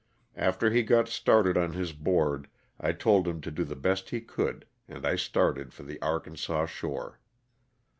After he got started on his board I told him to do the best he could and I started for the Arkansas shore.